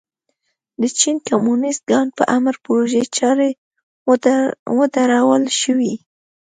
د چین کمونېست ګوند په امر پروژې چارې ودرول شوې.